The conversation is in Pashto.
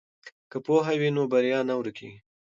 که پوهه وي نو بریا نه ورکیږي.